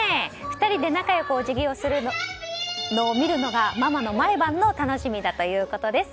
２人で仲良くお辞儀をするのを見るのがママの毎晩の楽しみだということです。